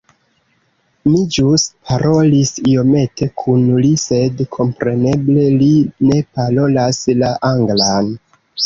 Mi ĵus parolis iomete kun li sed kompreneble li ne parolas la anglan